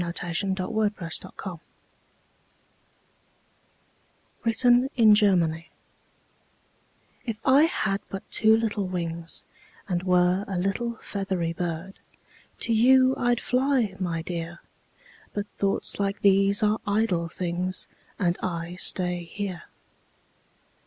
SOMETHING CHILDISH, BUT VERY NATURAL[313:1] WRITTEN IN GERMANY If I had but two little wings And were a little feathery bird, To you I'd fly, my dear! But thoughts like these are idle things, And I stay here.